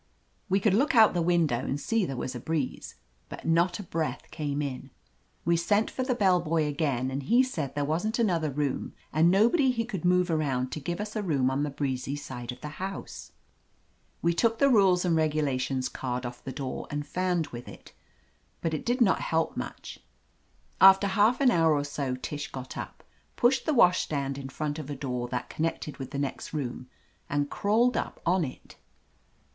We could look out the window and see there was a breeze, but not a breath came in. We sent for the bell boy again, and he said there wasn't another room and nobody he could move around to give us a room on the breezy side of the house. We took the rules and regulations card off the door and fanned with it, but it did not help much. After half an hour or so Tish got up, pushed the washstand in front of a door that connected with the next room and crawled up on it.